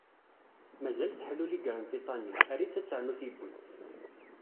Mazal teḥluli granṭiṭa-nni, err-itt ad ternu tiwwi.